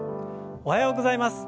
おはようございます。